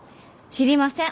知りません。